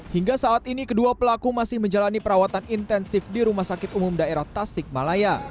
hingga saat ini kedua pelaku masih menjalani perawatan intensif di rumah sakit umum daerah tasik malaya